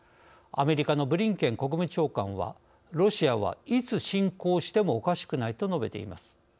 アメリカのブリンケン国務長官は「ロシアはいつ侵攻してもおかしくない」と述べています。